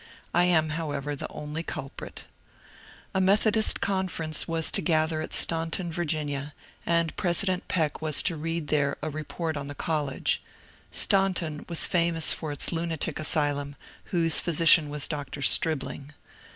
I am, however, the only culprit. A Methodist Conference was to gather at Staunton, Ya., and President Peck was to read there a report on the college* Staunton was famous for its lunatic asylum, whose physician was Dr. Stribling.